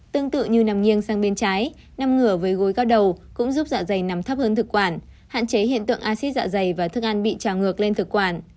tương tự như nằm nghiêng sang bên trái năm ngửa với gối các đầu cũng giúp dạ dày nằm thấp hơn thực quản hạn chế hiện tượng acid dạ dày và thức ăn bị trào ngược lên thực quản